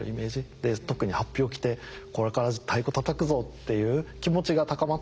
で特にはっぴを着て「これから太鼓たたくぞ」っていう気持ちが高まってくる。